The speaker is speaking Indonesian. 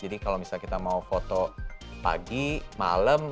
jadi kalau misalnya kita mau foto pagi malam